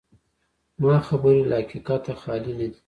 زما خبرې له حقیقته خالي نه دي.